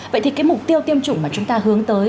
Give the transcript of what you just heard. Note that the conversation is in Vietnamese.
vậy thì cái mục tiêu tiêm chủng mà chúng ta hướng tới